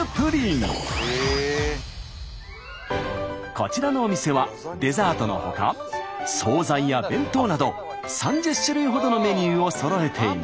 こちらのお店はデザートのほか総菜や弁当など３０種類ほどのメニューをそろえています。